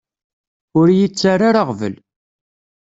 Ur iyi-ttara ara aɣbel.